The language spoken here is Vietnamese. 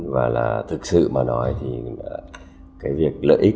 và là thực sự mà nói thì cái việc lợi ích của doanh nghiệp là một trong những cái trả lưu rất là lớn